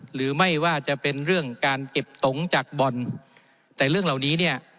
หรือไม่ว่าจะเป็นเรื่องการเก็บตงจากบ่อนแต่เรื่องเหล่านี้เนี่ย